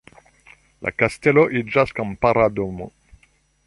La kastelo iĝas kampara domo.